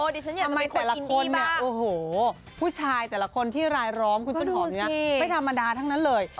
ทำไมแต่ละคนโอ้โหผู้ชายแต่ละคนที่รายล้อมคุณต้นหอมเนี่ยไม่ธรรมดาทั้งนั้นเลย